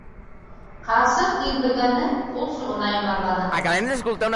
Ҡарсыҡ дилбегәне ҡул суғына йомарланы: